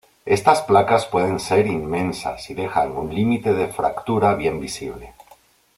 Estas placas pueden ser inmensas y dejan un límite de fractura bien visible.